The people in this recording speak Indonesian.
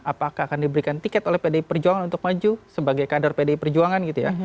apakah akan diberikan tiket oleh pdi perjuangan untuk maju sebagai kader pdi perjuangan gitu ya